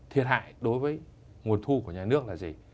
thiệt hại đối với nguồn thu của nhà nước là gì